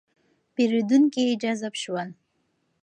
پېرېدونکي جذب شول.